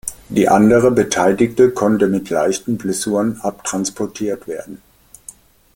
Die andere Beteiligte konnte mit leichten Blessuren abtransportiert werden.